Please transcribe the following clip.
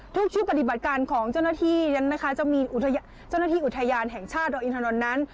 ทุกชุดปฏิบัติการของเจ้าหน้าที่นั้นนะคะจะมีเจ้าหน้าที่อุทยานแห่งชาติดอยอินทนนท์นั้น